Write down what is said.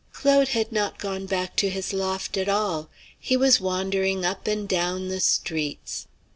Claude had not gone back to his loft at all. He was wandering up and down the streets.